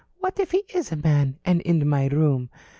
"What if he is a man! And in my room!